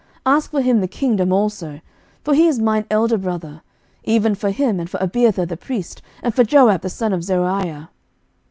ask for him the kingdom also; for he is mine elder brother; even for him, and for Abiathar the priest, and for Joab the son of Zeruiah.